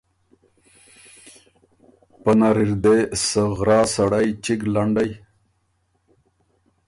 پۀ منځ نر اِر دې سۀ غراس سړئ چِګ لنډئ،